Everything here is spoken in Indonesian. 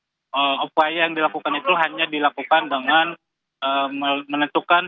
di kampung cigintung ini tetapi opaya yang dilakukan itu hanya dilakukan dengan menentukan